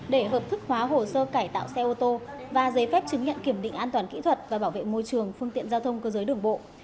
để hợp thức hóa hồ sơ cải tạo xe ô tô và giấy phép chứng nhận kiểm định an toàn kỹ thuật và bảo vệ môi trường phương tiện giao thông cơ giới đường bộ